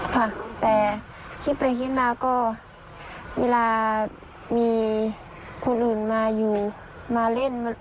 ค่ะแต่คิดไปคิดมาก็เวลามีคนอื่นมาอยู่มาเล่น